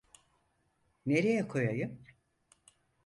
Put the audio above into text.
Nereye koyayım?